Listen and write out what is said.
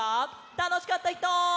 たのしかったひと！